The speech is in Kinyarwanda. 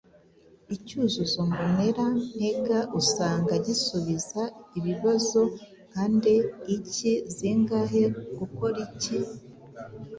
Icyuzuzo mbonera ntega usanga gisubiza ibibazo nka nde? Iki? Zingahe? Gukora iki?